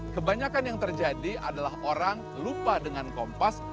kebanyakan yang terjadi adalah orang lupa dengan kompas